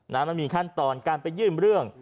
มันมีขั้นตอนการไปยื่นเรื่อง